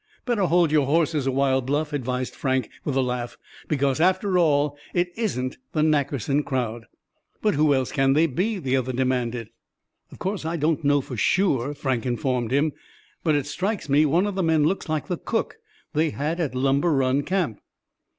"Better hold your horses a while, Bluff," advised Frank, with a laugh, "because after all it isn't the Nackerson crowd." "But who else can they be?" the other demanded. "Of course I don't know for sure," Frank informed him; "but it strikes me one of the men looks like the cook they had at Lumber Run Camp."